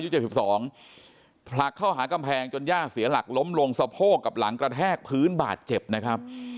๗๒ผลักเข้าหากำแพงจนย่าเสียหลักล้มลงสะโพกกับหลังกระแทกพื้นบาดเจ็บนะครับ